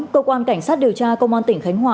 cơ quan cảnh sát điều tra công an tỉnh khánh hòa